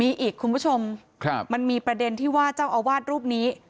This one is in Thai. มีอีกคุณผู้ชมครับมันมีประเด็นที่ว่าเจ้าอาวาสรูปนี้